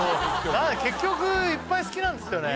結局いっぱい好きなんですよね